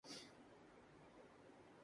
ایک اور مثال تو بھول ہی گیا۔